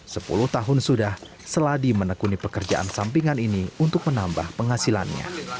sepuluh tahun sudah seladi menekuni pekerjaan sampingan ini untuk menambah penghasilannya